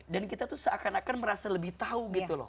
dan kita tuh seakan akan merasa lebih tahu gitu loh